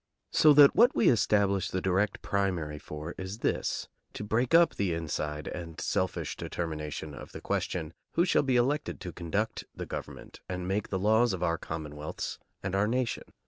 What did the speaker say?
So that what we establish the direct primary for is this: to break up the inside and selfish determination of the question who shall be elected to conduct the government and make the laws of our commonwealths and our nation.